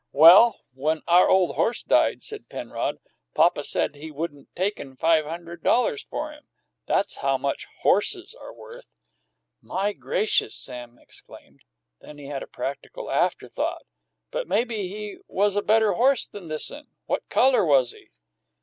"Well, when our ole horse died," said Penrod, "papa said he wouldn't taken five hundred dollars for him. That's how much horses are worth!" "My gracious!" Sam exclaimed. Then he had a practical afterthought. "But maybe he was a better horse than this'n. What color was he?"